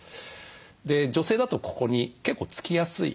で女性だとここに結構つきやすいですね。